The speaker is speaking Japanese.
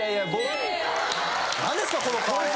何ですかこの顔！